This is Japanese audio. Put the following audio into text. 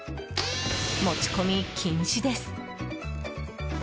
持ち込み禁止です。